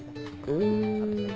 うん。